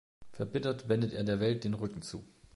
Verbittert wendet er der Welt den Rücken zu.